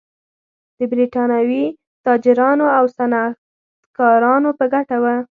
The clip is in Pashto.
د برېټانوي تاجرانو او صنعتکارانو په ګټه و.